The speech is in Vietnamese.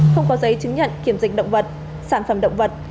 không có giấy chứng nhận kiểm dịch động vật sản phẩm động vật